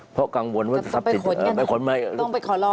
เพราะกังวลว่าทรัพย์สินต้องไปขอร้อง